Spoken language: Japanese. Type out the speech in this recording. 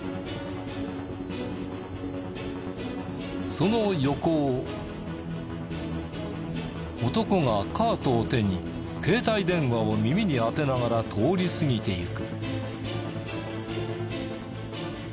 その横を男がカートを手に携帯電話を耳に当てながら通り過ぎていく。